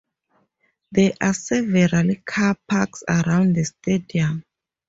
There are several car parks around the stadium.